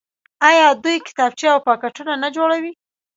آیا دوی کتابچې او پاکټونه نه جوړوي؟